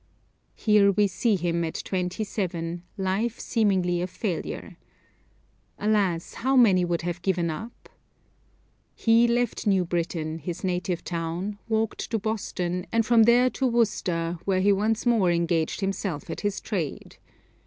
Here we see him at twenty seven, life seemingly a failure. Alas! how many would have given up. He left New Britain, his native town, walked to Boston, and from there to Worcester, where he once more engaged himself at his trade.